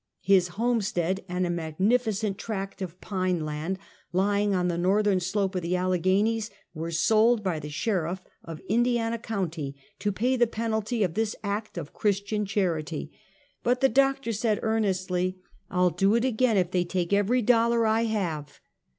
His homestead and a magnificent tract of pine land lying on the northern slope of the Alleghenies, were sold by the sheriff of Indiana county to pay the penalty of this act of Christian charity; but the Dr. said earnestly, " I'll do it again, if they take every dollar I have."